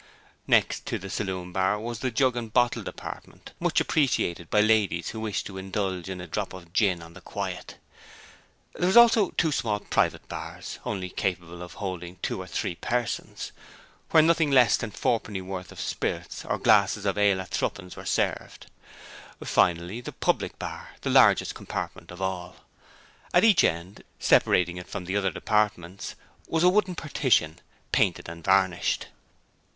Next to the saloon bar was the jug and bottle department, much appreciated by ladies who wished to indulge in a drop of gin on the quiet. There were also two small 'private' bars, only capable of holding two or three persons, where nothing less than fourpennyworth of spirits or glasses of ale at threepence were served. Finally, the public bar, the largest compartment of all. At each end, separating it from the other departments, was a wooden partition, painted and varnished.